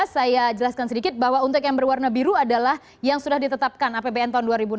saya jelaskan sedikit bahwa untuk yang berwarna biru adalah yang sudah ditetapkan apbn tahun dua ribu enam belas